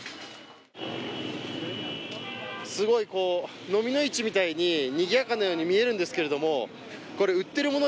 すごい、のみの市みたいににぎやかなように見えるんですけれども、これ売ってるもの